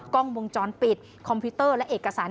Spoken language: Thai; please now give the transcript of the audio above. กล้องวงจรปิดคอมพิวเตอร์และเอกสาร